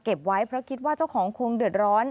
ไว้เพราะคิดว่าเจ้าของคงเดือดร้อน